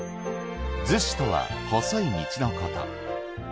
子とは細い道のこと。